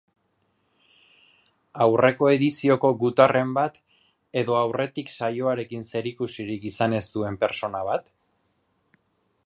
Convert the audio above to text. Aurreko edizioko gutarren bat edo aurretik saioarekin zerikusirik izan ez duen pertsona bat?